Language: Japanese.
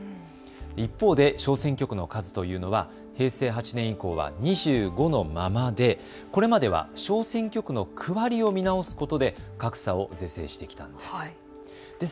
一方で小選挙区の数というのは平成８年以降は２５のままでこれまでは小選挙区の区割りを見直すことで格差を是正してきたんです。